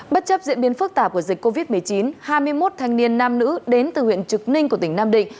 bất chấp diễn biến phức tạp của dịch covid một mươi chín hai mươi một thanh niên nam nữ đến từ huyện trực ninh của tỉnh nam định